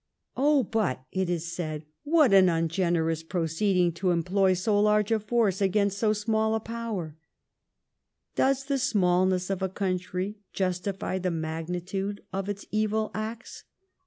...<< Oh, but," it is said, '' what an ungenerous proceeding to employ so large a force against so smaU a power I " Does the smaUness of a country justify the magnitude of its eyil acts